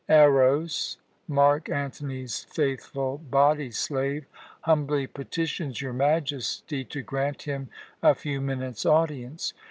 Eros, Mark Antony's faithful body slave, humbly petitions your Majesty to grant him a few minutes' audience.